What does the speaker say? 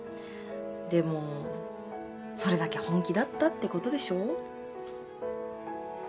でもそれだけ本気だったってことでしょ？